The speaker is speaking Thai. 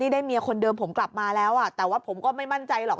ได้เมียคนเดิมผมกลับมาแล้วแต่ว่าผมก็ไม่มั่นใจหรอก